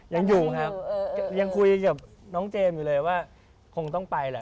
ยังอยู่ครับยังคุยกับน้องเจมส์อยู่เลยว่าคงต้องไปแหละ